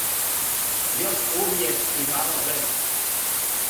Још увијек имамо времена.